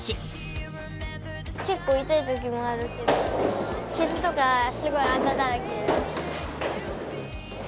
結構痛いときもあるけど、傷とかすごいあざだらけです。